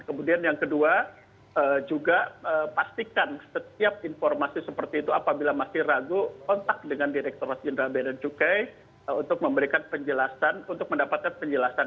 kemudian yang kedua juga pastikan setiap informasi seperti itu apabila masih ragu kontak dengan direkturat jenderal bea dan cukai untuk memberikan penjelasan untuk mendapatkan penjelasan